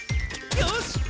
よし！